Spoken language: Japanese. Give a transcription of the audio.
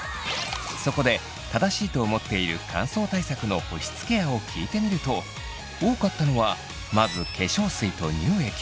そこで正しいと思っている乾燥対策の保湿ケアを聞いてみると多かったのはまず化粧水と乳液。